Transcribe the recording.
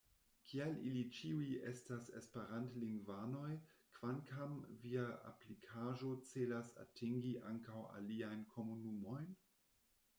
Kial ili ĉiuj estas esperantlingvanoj, kvankam via aplikaĵo celas atingi ankaŭ aliajn komunumojn?